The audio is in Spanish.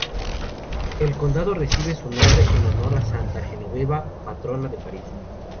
El condado recibe su nombre en honor a Santa Genoveva, patrona de París.